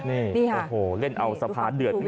นี่ค่ะโอ้โฮเล่นเอาสภาดเดือด